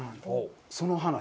その話？